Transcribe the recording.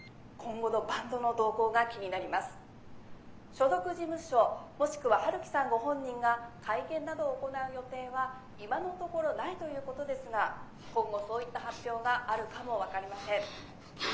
所属事務所もしくは陽樹さんご本人が会見などを行う予定は今のところないということですが今後そういった発表があるかも分かりません。